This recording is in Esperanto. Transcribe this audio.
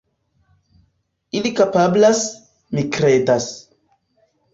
Ili kapablas, mi kredas.